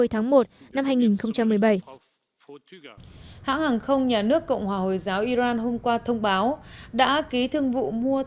tháng một năm hai nghìn một mươi bảy hãng hàng không nhà nước cộng hòa hồi giáo iran hôm qua thông báo đã ký thương vụ